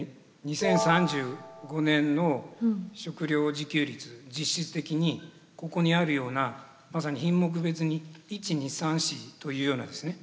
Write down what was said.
２０３５年の食料自給率実質的にここにあるようなまさに品目別に１２３４というようなですね